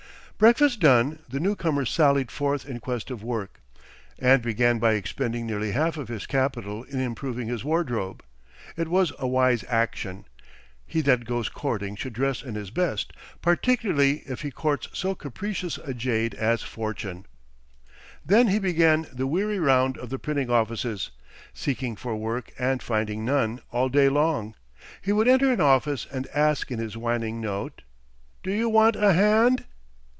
Breakfast done, the new comer sallied forth in quest of work, and began by expending nearly half of his capital in improving his wardrobe. It was a wise action. He that goes courting should dress in his best, particularly if he courts so capricious a jade as Fortune. Then he began the weary round of the printing offices, seeking for work and finding none, all day long. He would enter an office and ask in his whining note: "Do you want a hand?"